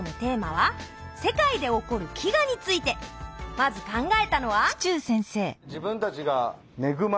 まず考えたのは？